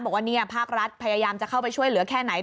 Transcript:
บอกว่าภาครัฐพยายามจะเข้าไปช่วยเหลือแค่ไหน